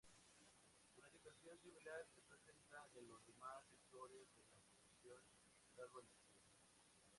Una situación similar se presenta en los demás sectores de la producción, salvo energía.